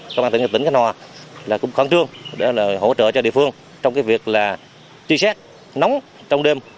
công an tỉnh cánh hòa là cũng khoảng trương để hỗ trợ cho địa phương trong cái việc là tri xét nóng trong đêm